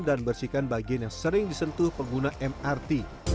dan bersihkan bagian yang sering disentuh pengguna mrt